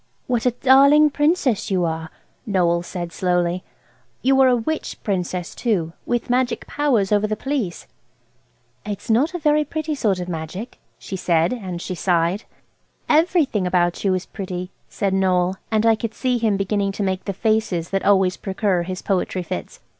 "What a darling Princess you are!" Noël said slowly. "You are a witch Princess, too, with magic powers over the Police." "It's not a very pretty sort of magic," she said, and she sighed. "Everything about you is pretty," said Noël. And I could see him beginning to make the faces that always precur his poetry fits.